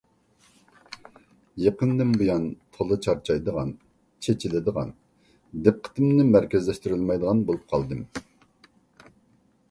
يېقىندىن بۇيان تولا چارچايدىغان، چېچىلىدىغان، دىققىتىمنى مەركەزلەشتۈرەلمەيدىغان بولۇپ قالدىم.